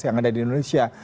yang ada di indonesia